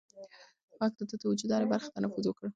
غږ د ده د وجود هرې حجرې ته نفوذ وکړ.